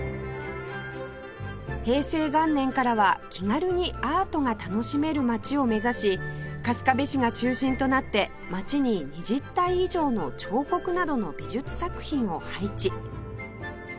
平成元年からは気軽にアートが楽しめる街を目指し春日部市が中心となって街に２０体以上の彫刻などの美術作品を配置